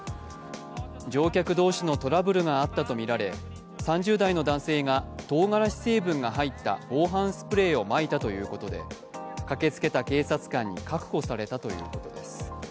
乗客同士のトラブルがあったとみられ３０代の男性がとうがらし成分が入った防犯スプレーをまいたということで駆けつけた警察官に確保されたということです。